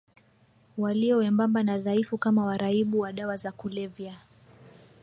walio wembamba na dhaifu kama waraibu wa dawa za kulevya